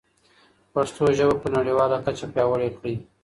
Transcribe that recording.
پښتو ژبه په نړیواله کچه پیاوړې کړئ.